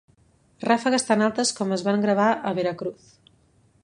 Ràfegues tan altes com es van gravar a Veracruz.